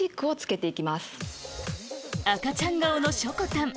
赤ちゃん顔のしょこたん